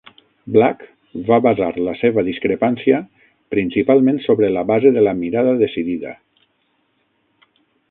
Black va basar la seva discrepància principalment sobre la base de la "mirada decidida".